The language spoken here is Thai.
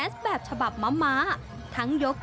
กลายเป็นประเพณีที่สืบทอดมาอย่างยาวนาน